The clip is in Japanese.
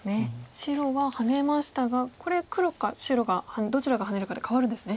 白はハネましたがこれ黒か白がどちらがハネるかで変わるんですね。